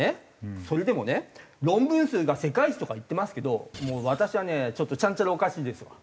それでもね論文数が世界一とか言ってますけどもう私はねちょっとちゃんちゃらおかしいですわ。